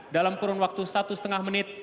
dalam kurun waktu satu lima menit